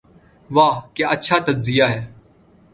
'' واہ کیا اچھا تجزیہ ہے۔